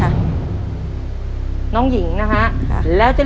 เร็วเร็วเร็ว